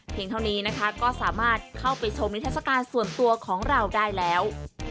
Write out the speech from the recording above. เท่านี้นะคะก็สามารถเข้าไปชมนิทัศกาลส่วนตัวของเราได้แล้ว